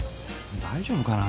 大丈夫かな？